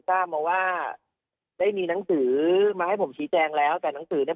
ทราบมาว่าได้มีหนังสือมาให้ผมชี้แจงแล้วแต่หนังสือเนี่ย